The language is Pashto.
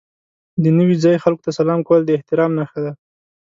د نوي ځای خلکو ته سلام کول د احترام نښه ده.